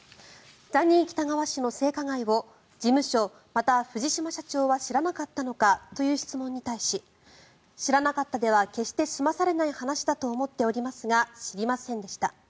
ジャニー喜多川氏の性加害を事務所、また藤島社長は知らなかったのかという質問に対し知らなかったでは決して済まされない話だと思っておりますが知りませんでした